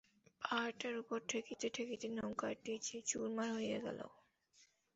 পাহাড়টার উপর ঠেকিতে ঠেকিতে নৌকাটি যে চুরমার হইয়া গেল।